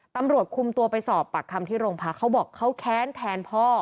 ตำรวจคุมตัวไปสอบปากคำที่โรงพักเขาบอกเขาแค้นแทนพ่อ